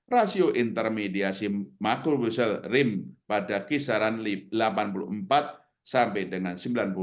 rasio intermediasi makrobusel rim pada kisaran delapan puluh empat sampai dengan sembilan puluh empat